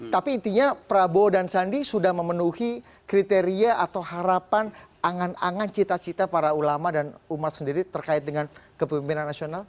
tapi intinya prabowo dan sandi sudah memenuhi kriteria atau harapan angan angan cita cita para ulama dan umat sendiri terkait dengan kepemimpinan nasional